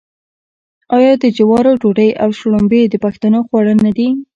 آیا د جوارو ډوډۍ او شړومبې د پښتنو خواړه نه دي؟